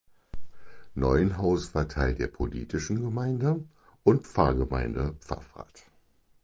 Neuenhaus war Teil der politischen Gemeinde und Pfarrgemeinde Paffrath.